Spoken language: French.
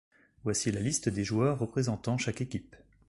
Voici la liste des joueurs représentant chaque équipe.